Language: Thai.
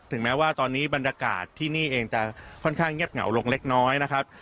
แม้ว่าตอนนี้บรรยากาศที่นี่เองจะค่อนข้างเงียบเหงาลงเล็กน้อยนะครับ